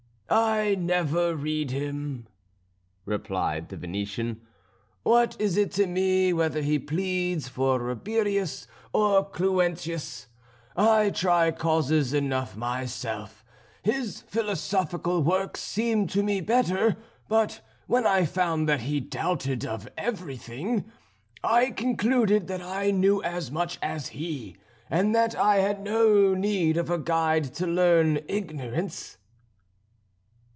"I never read him," replied the Venetian. "What is it to me whether he pleads for Rabirius or Cluentius? I try causes enough myself; his philosophical works seem to me better, but when I found that he doubted of everything, I concluded that I knew as much as he, and that I had no need of a guide to learn ignorance."